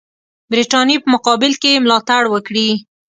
برټانیې په مقابل کې یې ملاتړ وکړي.